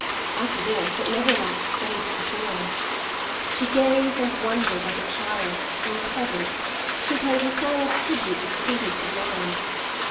After this it never lacked space to soar. She gazed and wondered like a child or a peasant, she paid her silent tribute to the seated sublime.